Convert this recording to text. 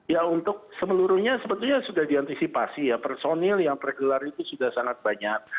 ya untuk semeluruhnya sebetulnya sudah diantisipasi ya personil yang tergelar itu sudah sangat banyak